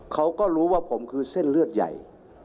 เขาก็รู้ว่าผมคือเส้นเลือดใหญ่